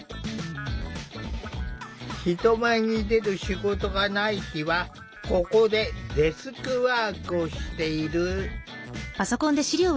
人前に出る仕事がない日はここでデスクワークをしている。